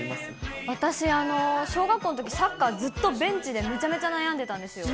私、小学校のとき、サッカー、ずっとベンチでめちゃめちゃ悩んでたんですよ。